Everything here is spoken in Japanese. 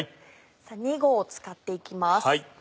２合使っていきます。